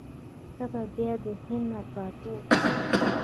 ته به بیا د هند امپراطور سې.